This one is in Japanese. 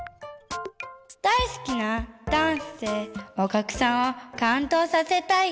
だいすきなダンスでおきゃくさんをかんどうさせたい！